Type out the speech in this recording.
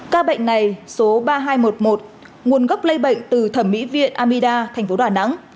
ca bệnh này số ba nghìn hai trăm một mươi một nguồn gốc lây bệnh từ thẩm mỹ viện amida thành phố đà nẵng